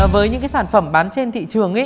với những sản phẩm bán trên thị trường